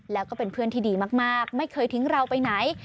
แล้วก็เป็นเพื่อนที่ดีมากไม่เคยทิ้งเราไปไหน